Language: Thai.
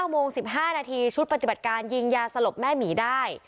๙โมง๑๕นาทีชุดปฏิบัติการยิงยาสลบแม่หมีได้